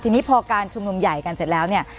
ทีนี้พอการชุมนุมใหญ่กันเสร็จแล้วเนี่ย